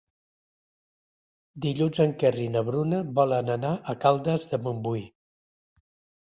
Dilluns en Quer i na Bruna volen anar a Caldes de Montbui.